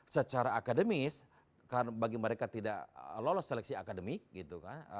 secara akademis karena bagi mereka tidak lolos seleksi akademik gitu kan